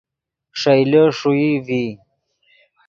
ݰئیلے ݰوئی ڤی